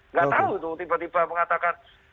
nggak tahu itu tiba tiba mengatakan